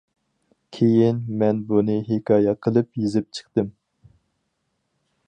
كېيىن مەن بۇنى ھېكايە قىلىپ يېزىپ چىقتىم.